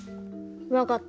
分かった。